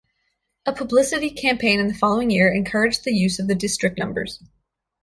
A publicity campaign in the following year encouraged the use of the district numbers.